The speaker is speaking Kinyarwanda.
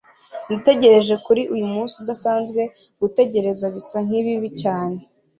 nategereje kuri uyumunsi udasanzwe, gutegereza bisa nkibibi cyane